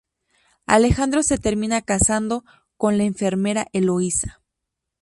Alejandro se termina casando con la enfermera Eloísa.